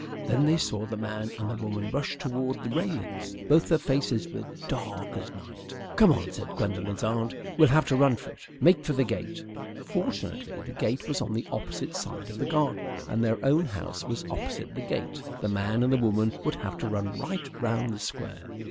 Then they saw the man and the woman rush toward the railings. Both their faces were dark as night. "Come on," said Gwendolen's aunt. "We'll have to run for it. Make for the gate." Fortunately, the gate was on the opposite side of the garden, and their own house was opposite the gate. The man and the woman would have to run right round the Square.